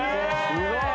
すごい！